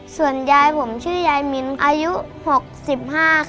ส่วนยายผมชื่อยายมินอายุ๖๕ค่ะ